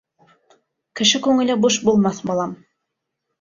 — Кеше күңеле буш булмаҫ, балам.